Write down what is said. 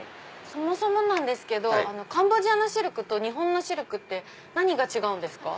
そもそもカンボジアのシルクと日本のシルクって何が違うんですか？